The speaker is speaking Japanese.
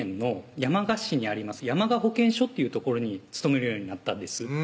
山鹿保健所っていう所に勤めるようになったんです